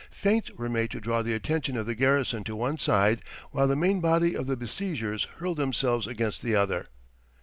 Feints were made to draw the attention of the garrison to one side, while the main body of the besiegers hurled themselves against the other.